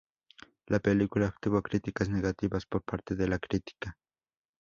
La película obtuvo críticas negativas por parte de la crítica.